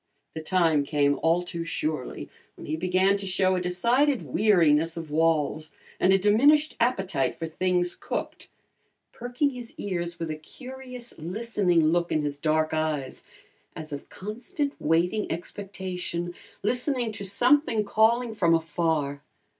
The time came all too surely when he began to show a decided weariness of walls and a diminished appetite for things cooked, perking his ears with a curious, listening look in his dark eyes, as of constant, waiting expectation, listening to something calling from afar.